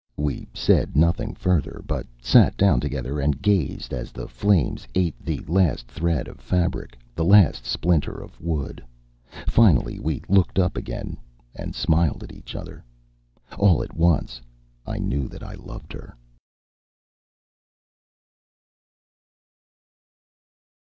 We said nothing further, but sat down together and gazed as the flames ate the last thread of fabric, the last splinter of wood. Finally we looked up again and smiled at each other. All at once I knew that I loved her.